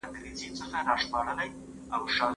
په قضاوت کي بېړه مه کوئ.